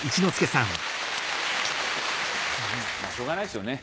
まぁしょうがないっすよね。